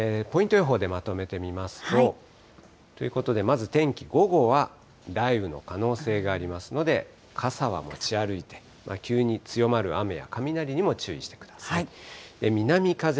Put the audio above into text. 予報でまとめて見ますと、ということで、まず天気、午後は雷雨の可能性がありますので、傘は持ち歩いて、急に強まる雨や雷にも注意してください。